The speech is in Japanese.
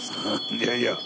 いやいや。